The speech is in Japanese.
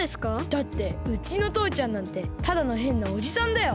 だってうちのとうちゃんなんてただのへんなおじさんだよ。